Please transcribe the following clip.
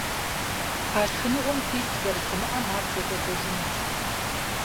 А шхыныгъуэм пищӀ зэрыщымыӀэм ар текӀуэдэжынущ.